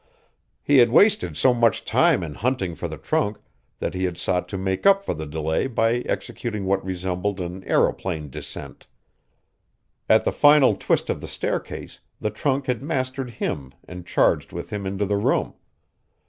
He had wasted so much time in hunting for the trunk that he had sought to make up for the delay by executing what resembled an aëroplane descent. At the final twist of the staircase the trunk had mastered him and charged with him into the room.